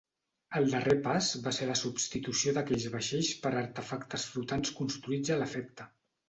El darrer pas va ser la substitució d'aquells vaixells per artefactes flotants construïts a l'efecte.